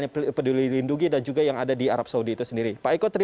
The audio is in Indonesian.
tiga belas juta berangkatidologi